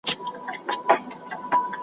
چا په غم باندې اشنا کړم راته وایه مینتوبه